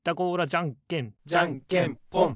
じゃんけんじゃんけんぽん！